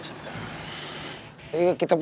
kita pulang ya udah malem